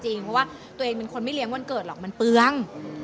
เพราะว่าตัวเองเป็นคนไม่เลี้ยงวันเกิดหรอกมันเปลือง